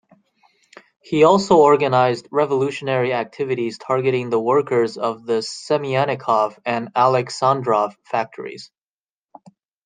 He also organized revolutionary activities targeting the workers of the Semiannikov and Aleksandrov factories.